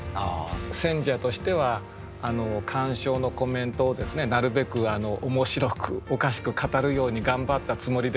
選者としては鑑賞のコメントをですねなるべく面白くおかしく語るように頑張ったつもりです。